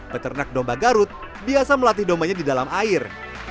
peternak domba garut biasa melatih dombanya di dalam air